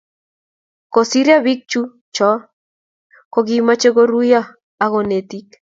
Kosiryo biik chu cho ko kimoche koruyo ak konetik